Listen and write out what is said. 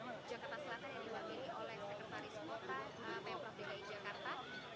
di mana saat ini sudah ada proses mediasi atau juga pembicaraan permufakatan antara warga lokal rawajati